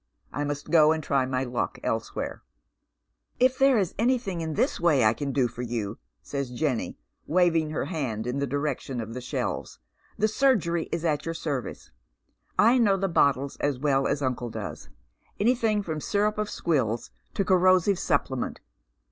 I must go and try my luck elsewhere." " If there was anything in this way I could do for you," says Jenny, waving her hand in the direction of the shelves, " the Burgery is at your service. I know the bottles as well as uncle does. Anything from syrup of squills to corrosive supplement.